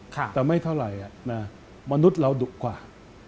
แต่ไม่เท่าไหร่มนุษย์เราดุกว่า